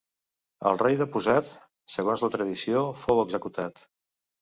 El rei deposat, segons la tradició, fou executat.